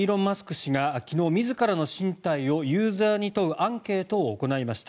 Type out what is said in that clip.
氏が昨日、自らの進退をユーザーに問うアンケートを行いました。